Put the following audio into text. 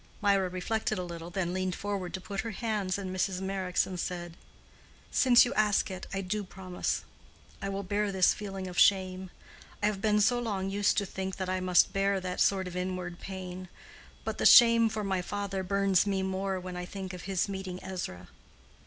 Mirah reflected a little, then leaned forward to put her hands in Mrs. Meyrick's, and said, "Since you ask it, I do promise. I will bear this feeling of shame. I have been so long used to think that I must bear that sort of inward pain. But the shame for my father burns me more when I think of his meeting Ezra."